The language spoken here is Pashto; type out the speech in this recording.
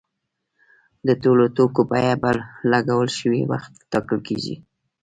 د ټولو توکو بیه په لګول شوي وخت ټاکل کیږي.